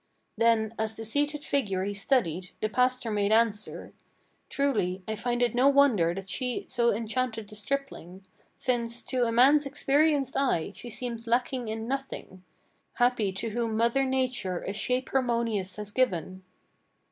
Then, as the seated figure he studied, the pastor made answer: "Truly, I find it no wonder that she so enchanted the stripling, Since, to a man's experienced eye, she seems lacking in nothing. Happy to whom mother Nature a shape harmonious has given!